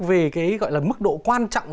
về cái gọi là mức độ quan trọng